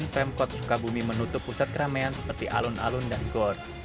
pemkot sukabumi menutup pusat keramaian seperti alun alun dan gor